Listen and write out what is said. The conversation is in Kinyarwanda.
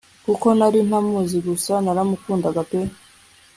kuko nari ntamuzi gusa naramukundaga pe